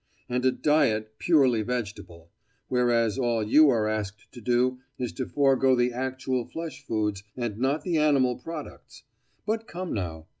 And a diet "purely vegetable"; whereas all you are asked to do is to forego the actual flesh foods, and not the animal products. But come now!